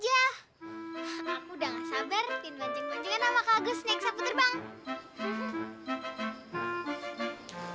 jangan sama kak agus naik sapu terbang